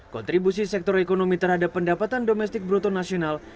kontribusi sektor ekonomi terhadap pendapatan domestik bruto nasional